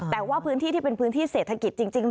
แต่ว่าพื้นที่ที่เป็นพื้นที่เศรษฐกิจจริง